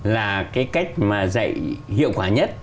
là cái cách mà dạy hiệu quả nhất